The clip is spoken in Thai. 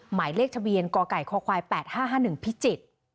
หมายเลขทะเบียนกไก่คค๘๕๕๑พิจิตร